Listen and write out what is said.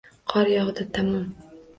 Qor yog’di... Tamom!